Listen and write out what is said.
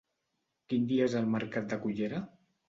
Quin dia és el mercat de Cullera?